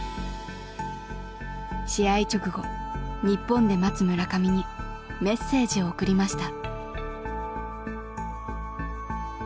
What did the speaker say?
試合直後日本で待つ村上にメッセージを送りました。